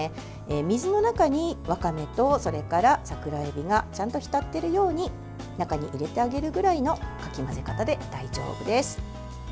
水の中にわかめと桜えびがちゃんと浸っているように中に入れてあげるくらいのかき混ぜ方で大丈夫です。